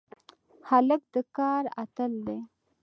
هلک د کار اتل دی.